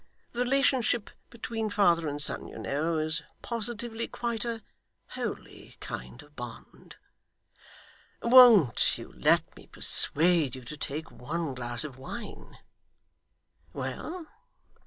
The relationship between father and son, you know, is positively quite a holy kind of bond. WON'T you let me persuade you to take one glass of wine? Well!